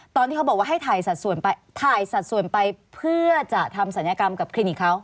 ตอนที่เขาบอกว่าให้ถ่ายสัดส่วนไปเพื่อจะทำศัลยกรรมกับคลินิกเขา